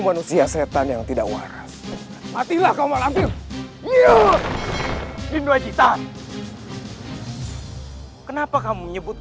manusia setan yang tidak waras matilah kamu malampir lidu haji tahan kenapa kamu menyebut